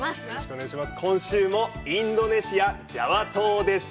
今週もインドネシア・ジャワ島です。